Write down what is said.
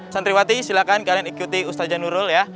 santriwati silahkan kalian ikuti ustadz janurul ya